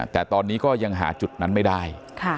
แต่ตอนนี้ก็ยังหาจุดนั้นไม่ได้